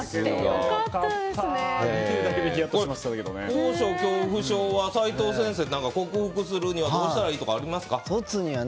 高所恐怖症は齋藤先生、克服するにはどうしたらいいとかありますか？